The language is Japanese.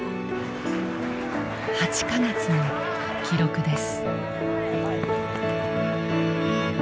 ８か月の記録です。